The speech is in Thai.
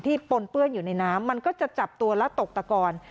ปนเปื้อนอยู่ในน้ำมันก็จะจับตัวและตกตะกอน